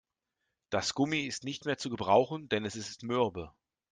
Das Gummi ist nicht mehr zu gebrauchen, denn es ist mürbe.